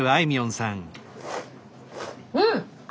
うん！